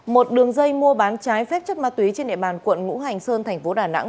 một đường dây mua bán trái phép chất ma túy trên địa bàn quận ngũ hành sơn thành phố đà nẵng